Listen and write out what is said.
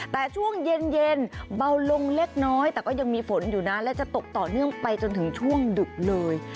แต่ช่วงเย็นเบาลงเล็กน้อยแต่ก็ยังมีฝนอยู่นะและจะตกต่อเนื่องไปจนถึงช่วงดึกเลย